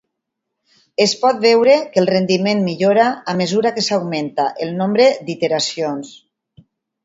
Es pot veure que el rendiment millora a mesura que s'augmenta el nombre d'iteracions.